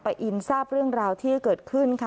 อินทราบเรื่องราวที่เกิดขึ้นค่ะ